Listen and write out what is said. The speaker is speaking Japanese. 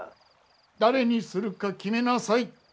誰にするか決めなさい。